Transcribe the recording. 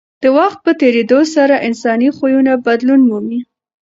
د وخت په تېرېدو سره انساني خویونه بدلون مومي.